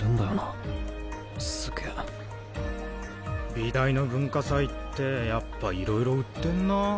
美大の文化祭ってやっぱいろいろ売ってんな。